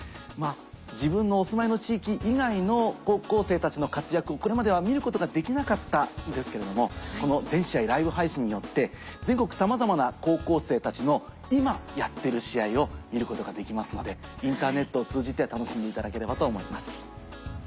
自分のお住まいの地域以外の高校生たちの活躍をこれまでは見ることができなかったんですけれどもこの全試合ライブ配信によって全国さまざまな高校生たちの今やってる試合を見ることができますのでインターネットを通じて楽しんでいただければと思います。